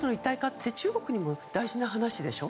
領土の一体化って中国にも大事な話でしょ。